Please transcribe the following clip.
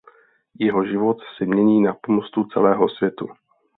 Jeho život se mění na pomstu celému světu.